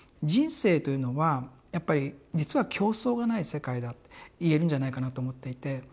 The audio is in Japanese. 人生というのはやっぱり実は競争がない世界だっていえるんじゃないかなと思っていて。